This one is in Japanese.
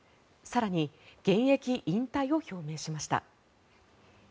更に、現役引退を表明しました。